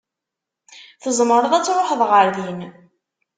Tzemreḍ ad truḥeḍ ɣer din.